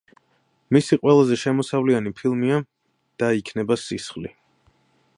მისი ყველაზე შემოსავლიანი ფილმია „და იქნება სისხლი“.